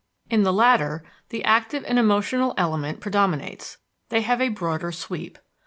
In the latter, the active and emotional element predominates. They have a broader sweep.